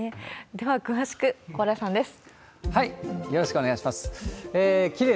では詳しく、蓬莱さんです。